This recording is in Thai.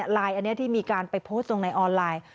อันนี้ที่มีการไปโพสต์ลงในออนไลน์